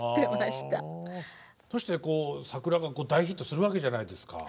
そして「さくら」が大ヒットするわけじゃないですか。